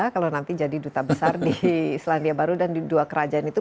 kalau nanti jadi duta besar di selandia baru dan di dua kerajaan itu